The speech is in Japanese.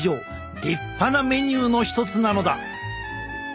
立派なメニューのひとつなのだ！